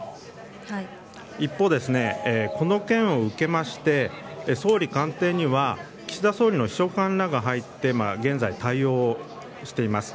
一方、この件を受けまして総理官邸には岸田総理の秘書官らが入って現在、対応しています。